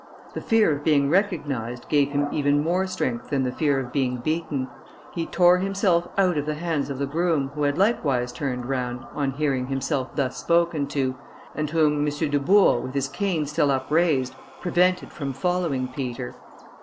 The fear of being recognised, gave him even more strength than the fear of being beaten; he tore himself out of the hands of the groom, who had likewise turned round, on hearing himself thus spoken to, and whom M. Dubourg, with his cane still upraised, prevented from following Peter.